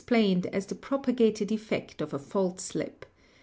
plained as the propagated effect of a fault slip.